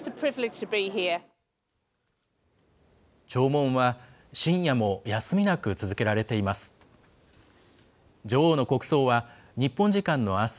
弔問は深夜も休みなく続けられています。